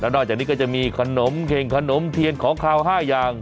นอกจากนี้ก็จะมีขนมเข่งขนมเทียนของขาว๕อย่าง